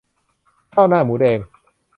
ข้าวหน้าหมูแดง